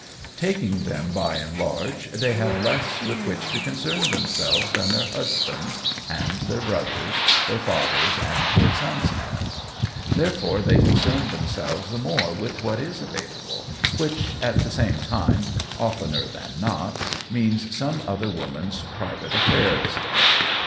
Taking them by and large they have less with which to concern themselves than their husbands and their brothers, their fathers and their sons have. Therefore they concern themselves the more with what is available, which, at the same time, oftener than not, means some other woman's private affairs.